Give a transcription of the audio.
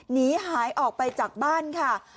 หนีหายออกไปจากบ้านค่ะ